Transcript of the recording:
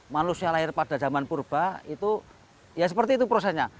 manusia lahir pada zaman purba itu ya seperti itu prosesnya